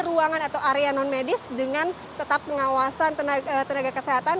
ruangan atau area non medis dengan tetap pengawasan tenaga kesehatan